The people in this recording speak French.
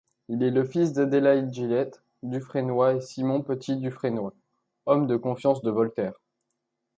Il est le fils d'Adélaïde-Gillette Dufrénoy et Simon Petit-Dufrenoy, homme de confiance de Voltaire.